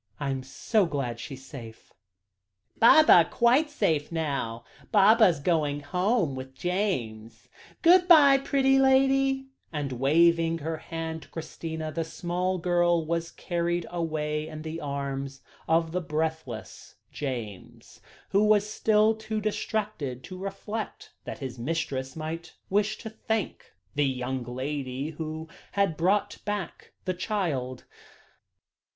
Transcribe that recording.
I am so glad she is safe." "Baba quite safe now; Baba going home with James; good bye, pretty lady," and waving her hand to Christina, the small girl was carried away in the arms of the breathless James, who was still too distracted to reflect that his mistress might wish to thank the young lady who had brought back the child.